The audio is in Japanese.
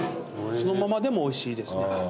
そのままでもおいしいですね。